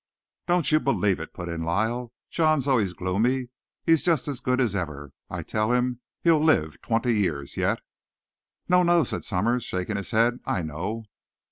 "Don't you believe it," put in Lyle. "John's always gloomy. He's just as good as ever. I tell him he'll live twenty years yet." "No, no," said Summers, shaking his head, "I know."